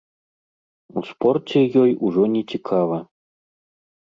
У спорце ёй ужо нецікава.